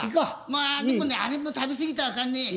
まあでもねあれも食べ過ぎたらあかんね。